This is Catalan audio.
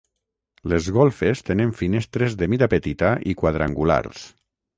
Les golfes tenen finestres de mida petita i quadrangulars.